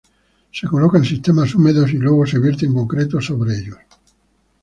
Se colocan sistemas húmedos y luego se vierte concreto sobre ellos.